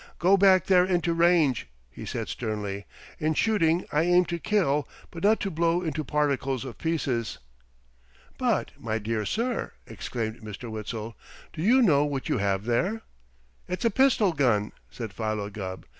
"Go back there into range," he said sternly. "In shooting I aim to kill, but not to blow into particles of pieces." "But, my dear sir!" exclaimed Mr. Witzel. "Do you know what you have there?" "It's a pistol gun," said Philo Gubb.